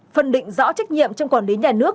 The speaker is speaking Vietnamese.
phân định rõ trách nhiệm trong quản lý nhà nước